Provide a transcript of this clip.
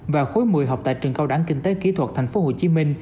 và khối một mươi học tại trường cao đẳng kinh tế kỹ thuật tp hcm